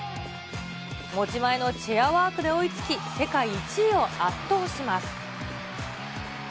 持ち前のチェアワークで追いつき、世界１位を圧倒します。